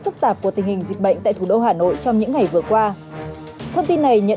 phức tạp của tình hình dịch bệnh tại thủ đô hà nội trong những ngày vừa qua thông tin này nhận